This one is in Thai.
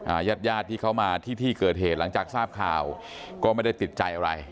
ญาติญาติที่เขามาที่ที่เกิดเหตุหลังจากทราบข่าวก็ไม่ได้ติดใจอะไร